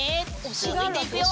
続いていくよ！